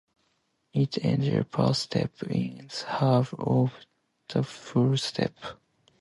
Its angle per step is half of the full step.